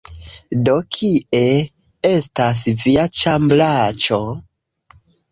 Do, kie estas via ĉambraĉo?